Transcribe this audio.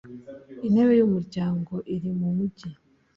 intebe y umuryango iri mu mujyi